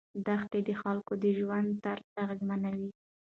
دښتې د خلکو د ژوند طرز اغېزمنوي.